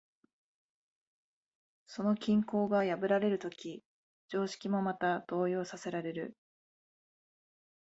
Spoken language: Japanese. その均衡が破られるとき、常識もまた動揺させられる。